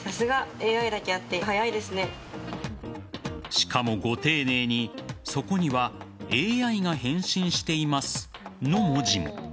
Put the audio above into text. しかも、ご丁寧にそこにはＡＩが返信していますの文字も。